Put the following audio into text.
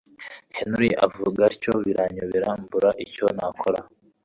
Henry avuga atyo biranyobera mbura icyo nakora